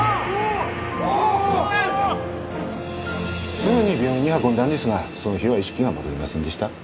すぐに病院に運んだんですがその日は意識が戻りませんでした。